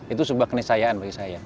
itu sebuah kenisayaan bagi saya